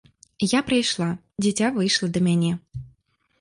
Я прыйшла, дзіця выйшла да мяне.